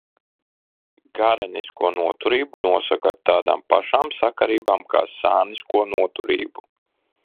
Garenisko noturību nosaka ar tādām pašām sakarībām kā sānisko noturību.